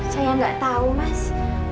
saya gak tau mas